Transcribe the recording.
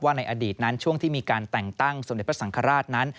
ในอดีตนั้นช่วงที่มีการแต่งตั้งสมเด็จพระสังฆราชนั้น